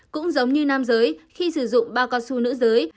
cũng giống như nam giới khi sử dụng bao cao su nữ giới